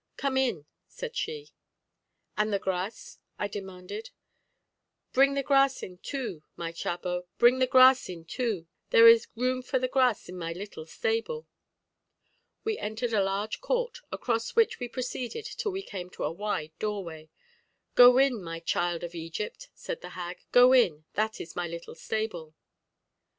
"Come in," said she. "And the gras?" I demanded. "Bring the gras in too, my chabó, bring the gras in too; there is room for the gras in my little stable." We entered a large court, across which we proceeded till we came to a wide doorway. "Go in, my child of Egypt," said the hag; "go in, that is my little stable."